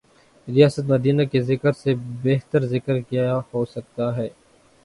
ریاست مدینہ کے ذکر سے بہترذکر کیا ہوسکتاہے۔